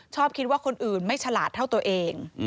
ชอบคิดว่าคนอื่นไม่ฉลาดเท่าตัวเอง